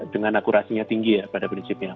dengan akurasinya tinggi ya pada prinsipnya